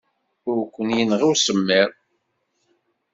Ur k-yenɣi usemmiḍ.